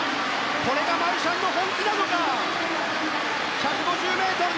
これがマルシャンの本気なのか。